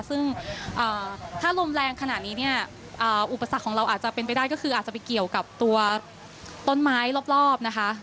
ซึ่งถ้าลมแรงขนาดนี้เนี่ยอุปสรรคของเราอาจจะเป็นไปได้ก็คืออาจจะไปเกี่ยวกับตัวต้นไม้รอบนะคะ